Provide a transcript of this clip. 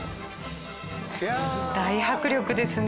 大迫力ですね。